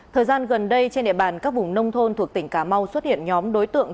thời gian gần đây trên địa bàn các vùng nông thôn thuộc tỉnh cà mau xuất hiện nhóm đối tượng